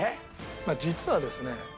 実はですね